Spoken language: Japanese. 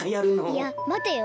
いやまてよ。